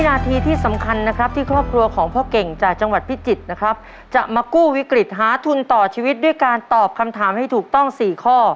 ตอนนี้ทีสำคัญที่ครอบครัวของพ่อเก่งจะมะกู้วิกฤตหาทุนต่อชีวิตด้วยการตอบคำถามให้ถูกต้อง๔ข้อ